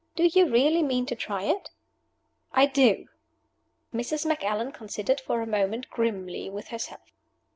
Do you really mean to try it?" "I do!" Mrs. Macallan considered for a moment grimly with herself.